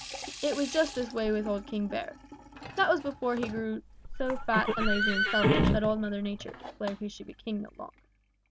It was just this way with old King Bear. That was before he grew so fat and lazy and selfish that Old Mother Nature declared that he should be king no longer.